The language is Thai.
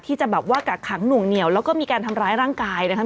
ที่จะแบบว่ากักขังหน่วงเหนียวแล้วก็มีการทำร้ายร่างกายนะครับ